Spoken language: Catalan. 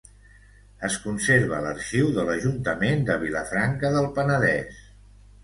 Es conserva l'arxiu de l'Ajuntament de Vilafranca del Penedès.